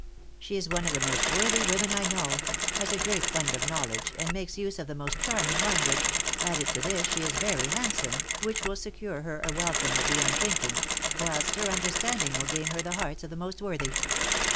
She is one of the most worthy women I know has a great fund of knowledge, and makes use of most charming language; added to this she is very handsome, which will secure her a welcome with the unthinking, whilst her understanding will gain her the hearts of the most worthy.